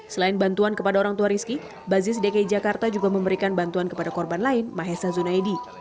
selain bantuan kepada orang tua rizky basis dki jakarta juga memberikan bantuan kepada korban lain mahesa zunaidi